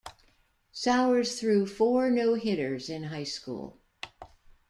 Sowers threw four no-hitters in high school.